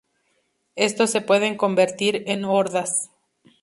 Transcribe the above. Estos se pueden convertir en hordas.